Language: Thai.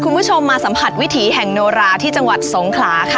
คุณผู้ชมอยู่กับดิฉันใบตองราชนุกูลที่จังหวัดสงคลาค่ะ